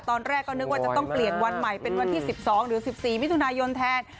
ตอนแรกก็นึกว่าจะต้องเปลี่ยนวันใหม่เป็นวันที่๑๒หรือ๑๔มิถุนายนแทน